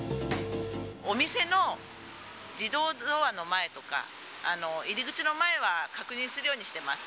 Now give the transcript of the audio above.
お店の自動ドアの前とか、入り口の前は、確認するようにしてます。